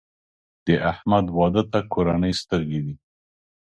د احمد واده ته کورنۍ سترګې دي.